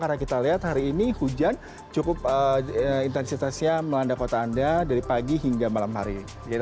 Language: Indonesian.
karena kita lihat hari ini hujan cukup intensitasnya melanda kota anda dari pagi hingga malam hari